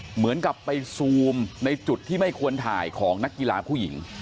เหมือนกับไปซูมในจุดที่ไม่ควรถ่ายของนักกีฬาผู้หญิง